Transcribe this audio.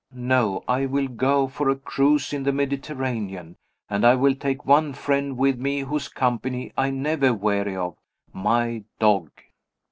No. I will go for a cruise in the Mediterranean; and I will take one friend with me whose company I never weary of my dog.